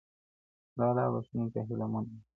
د الله بښنې ته هيله من اوسئ.